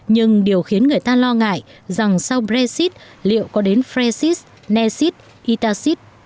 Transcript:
nhưng điều khiến người ta lo ngại rằng sau brexit liệu có đến francis nesit itasit